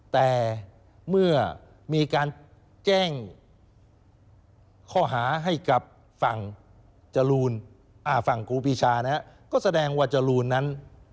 แต่เมื่อมีการแจ้งข้อหาให้กับฝั่งจรูนฝั่งครูปีชานะฮะก็แสดงว่าจรูนนั้น